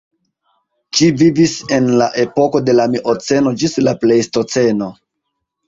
Ĝi vivis en la epoko de la Mioceno ĝis la Plejstoceno.